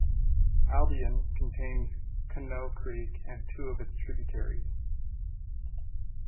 Albion contains Conneaut Creek and two of its tributaries.